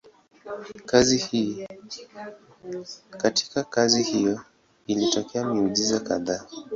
Katika kazi hiyo ilitokea miujiza kadhaa.